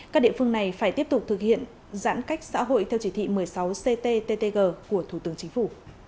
các địa phương này phải tiếp tục thực hiện giãn cách xã hội theo chỉ thị một mươi sáu cttg của thủ tướng chính phủ